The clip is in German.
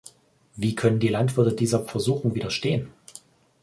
Wie können die Landwirte dieser Versuchung widerstehen?